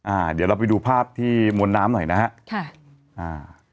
อ่าเดี๋ยวเราไปดูภาพที่มวลน้ำหน่อยนะฮะค่ะอ่า